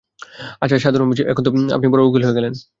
আচ্ছা সাধু রামজি, এখন তো আপনি বড় উকিল হয়ে গেলেন।